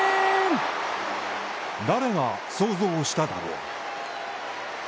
誰が想像しただろう。